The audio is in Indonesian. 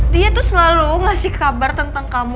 dia tuh selalu ngasih kabar tentang kamu